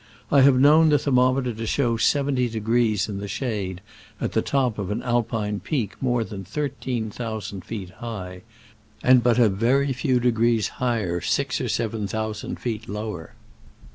I have known the thermometer to show seventy degrees in the shade at the top of an Alpine peak more than thirteen thousand feet high, and but a very few degrees higher six or seven thousand feet lower.